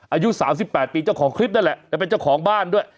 อายุ๓๘ปีเจ้าของคลิปนั่นแหละและเป็นเจ้าของบ้านด้วย